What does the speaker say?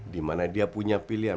dimana dia punya pilihan